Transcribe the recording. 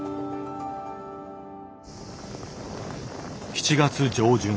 ７月上旬。